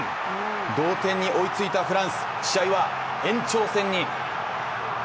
同点に追いついたフランス、試合は延長戦に。